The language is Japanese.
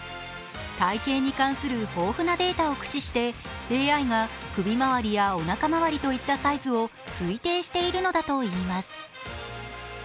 体型に関する豊富なデータを駆使してＡＩが首回りやおなか回りといったサイズを推定しているのだといいます。